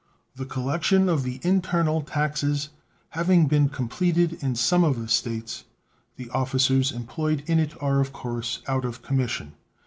The collection of the internal taxes having been completed in some of the States, the officers employed in it are of course out of commission.